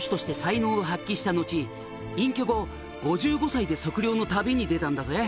隠居後５５歳で測量の旅に出たんだぜ」